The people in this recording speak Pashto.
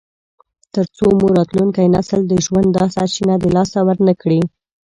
تر څو مو راتلونکی نسل د ژوند دا سرچینه د لاسه ورنکړي.